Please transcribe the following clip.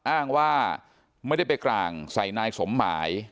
อ้างว่าไม่ได้ไปกลางใส่นายสมหมาย